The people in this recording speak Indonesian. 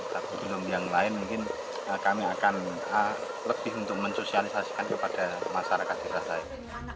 tapi belum yang lain mungkin kami akan lebih untuk mensosialisasikan kepada masyarakat daerah lain